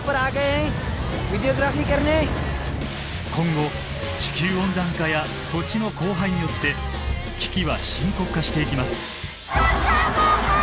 今後地球温暖化や土地の荒廃によって危機は深刻化していきます。